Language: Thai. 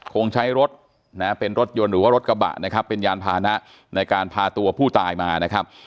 คงใช้รถเป็นรถยนต์หรือว่ารถกระบะยารพานะในการพาตัวผู้ตายมานะครับ